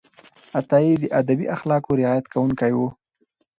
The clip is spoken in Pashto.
عطایي د ادبي اخلاقو رعایت کوونکی و.